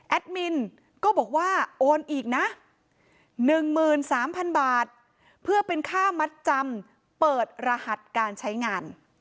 มินก็บอกว่าโอนอีกนะ๑๓๐๐๐บาทเพื่อเป็นค่ามัดจำเปิดรหัสการใช้งาน